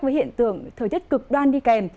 với hiện tượng thời tiết cực đoan đi kèm